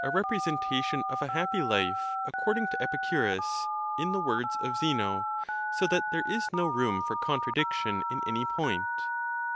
representation of a happy life according to Epicurus, in the words of Zeno, so that there is no room for contradiction in any point.